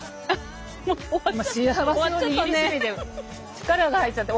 力が入っちゃって。